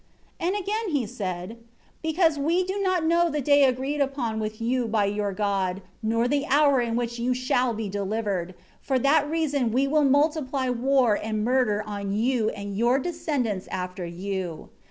8 Again he said, "Because we do not know the day agreed on with you by your God, nor the hour in which you shall be delivered, for that reason we will multiply war and murder on you and your descendants after you.